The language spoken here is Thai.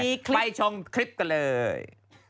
ไปชมคลิปกันเลย